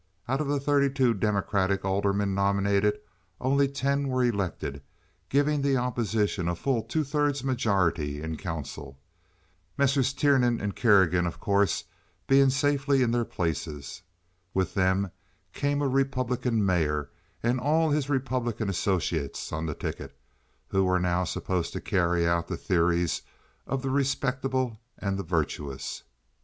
Out of the thirty two Democratic aldermen nominated only ten were elected, giving the opposition a full two thirds majority in council, Messrs. Tiernan and Kerrigan, of course, being safely in their places. With them came a Republican mayor and all his Republican associates on the ticket, who were now supposed to carry out the theories of the respectable and the virtuous.